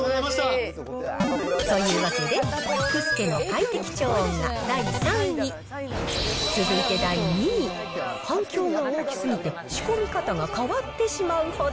というわけで、福助の快適調温が第３位。続いて第２位、反響が大きすぎて仕込み方が変わってしまうほど。